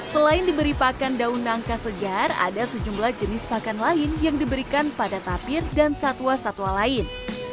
selain diberi pakan daun nangka segar ada sejumlah jenis pakan lain yang diberikan pada tapir dan satwa satwa lain